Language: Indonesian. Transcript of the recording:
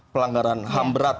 pelanggaran ham berat